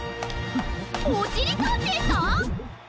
おしりたんていさん！？